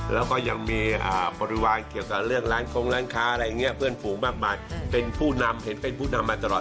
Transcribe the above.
แล้วก็มียอดทงอยู่ข้างบน